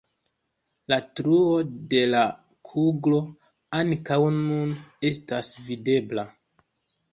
La truo de la kuglo ankaŭ nun estas videbla.